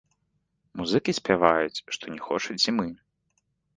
Музыкі спяваюць, што не хочуць зімы.